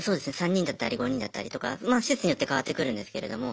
３人だったり５人だったりとかまあ施設によって変わってくるんですけれども。